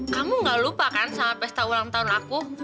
kamu gak lupa kan sama pesta ulang tahun aku